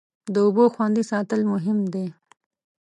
د اوبو خوندي ساتل مهم دی.